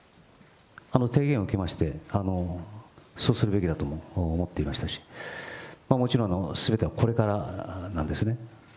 提言を受けまして、そうするべきだと思っていましたし、もちろん、すべてはこれからなんですね。